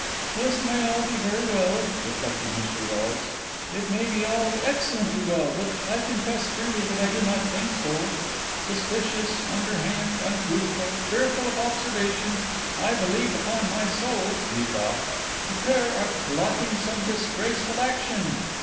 "This may all be very well," reflected Mr. Rolles; "it may be all excellently well; but I confess freely that I do not think so. Suspicious, underhand, untruthful, fearful of observation—I believe upon my soul," he thought, "the pair are plotting some disgraceful action."